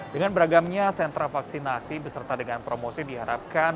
dengan beragamnya sentra vaksinasi beserta dengan promosi diharapkan